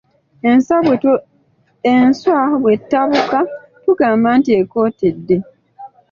Enswa bwe tabuuka tugamba nti ekootedde.